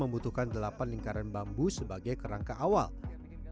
bambu bambu akan disatukan dengan bambu berbentuk lurus hingga membentuk juri